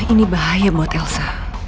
ini bahaya buat elsa